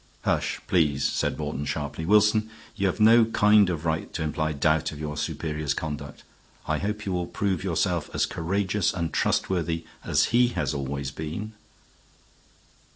"Hush, please," said Morton, sharply. "Wilson, you have no kind of right to imply doubt of your superior's conduct. I hope you will prove yourself as courageous and trustworthy as he has always been."